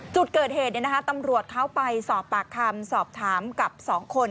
จุดเกิดเหตุเนี่ยนะคะตำรวจเข้าไปสอบปากคำสอบถามกับสองคน